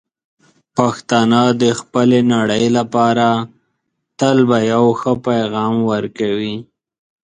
پښتانه د خپلې نړۍ لپاره تل به یو ښه پېغام ورکوي.